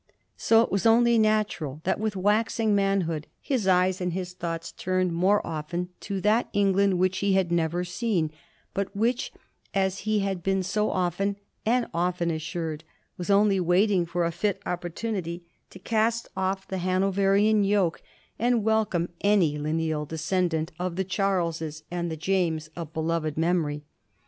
So it was only natural that with waxing man hood his eyes and his thoughts turned more often to that England which he had never seen, but which, as he had been so often and often assured, was only waiting for a fit opportunity to cast off the Hanoverian yoke and welcome any lineal descendant of the Charleses and the Jameses of beloved memorv.